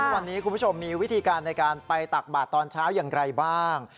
วันนี้คุณผู้ชมมีวิธีการในการไปตักบาทตอนเช้าอย่างไรบ้าง